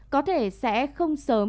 có thể sẽ không sớm